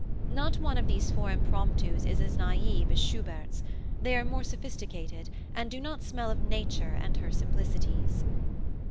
Not one of these four Impromptus is as naive as Schubert's; they are more sophisticated and do not smell of nature and her simplicities.